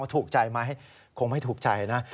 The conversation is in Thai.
ถูกใจไหมคงไม่ถูกใจนะ